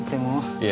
いえ